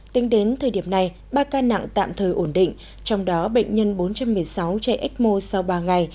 tính đến thời điểm này ba ca nặng tạm thời ổn định trong đó bệnh nhân bốn trăm một mươi sáu chạy ecmo sau ba ngày